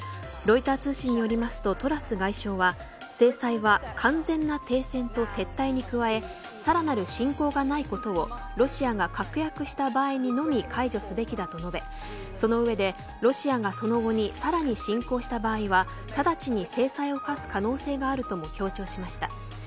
ロイター通信によりますとトラス外相は制裁は完全な停戦と撤退に加えさらなる侵攻がないことをロシアが確約した場合にのみ解除すべきだと述べその上でロシアがその後にさらに侵攻した場合は直ちに制裁を科す可能性があるとも強調しました。